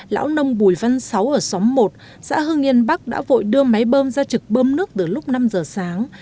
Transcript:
lão nông bùi văn sáu ở xóm một xã hưng yên bắc đã vội đưa máy bơm ra trực bơm nước từ lúc năm giờ sáng